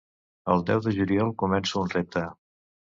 El deu de juliol començo un repte.